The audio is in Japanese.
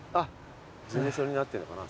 事務所になってるのかな？